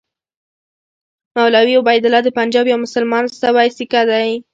مولوي عبیدالله د پنجاب یو مسلمان شوی سیکه دی.